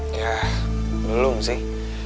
ya belum sih